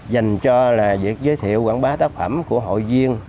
dành cho là giới thiệu quảng bá tác phẩm của hội liên